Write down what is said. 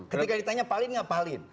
ketika ditanya palin nggak palin